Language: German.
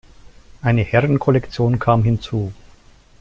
Eine Herrenkollektion kam hinzu.